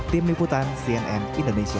tim liputan cnn indonesia